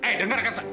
eh dengarkan saya